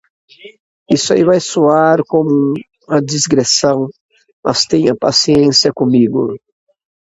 Isso vai soar como uma digressão?, mas tenha paciência comigo.